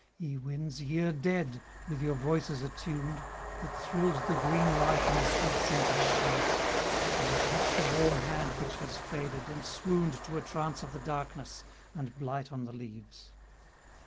Ye winds, ye are dead, with your voices attuned, That thrilled the green life in the sweet scented sheaves, When I touched a warm hand which has faded, and swooned To a trance of the darkness, and blight on the leaves.